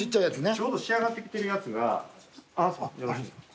ちょうど仕上がってきてるやつが。